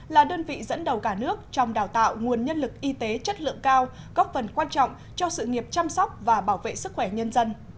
là đơn vị dẫn đầu cả nước trong đào tạo nguồn nhân lực y tế chất lượng cao góp phần quan trọng cho sự nghiệp chăm sóc và bảo vệ sức khỏe nhân dân